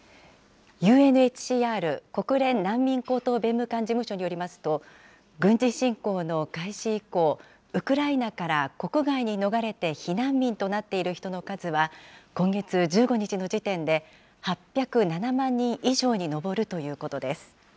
ＵＮＨＣＲ・国連難民高等弁務官事務所によりますと、軍事侵攻の開始以降、ウクライナから国外に逃れて避難民となっている人の数は、今月１５日の時点で、８０７万人以上に上るということです。